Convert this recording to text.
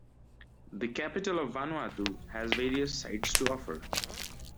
The capital of Vanuatu has various sights to offer.